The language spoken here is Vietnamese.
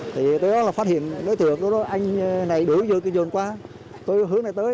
thì tôi đó là phát hiện đối tượng anh này đuổi dưới ruộng qua tôi hướng này tới